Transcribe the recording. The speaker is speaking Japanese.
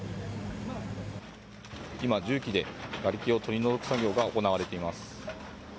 今、重機でがれきを取り除く作業が行われています。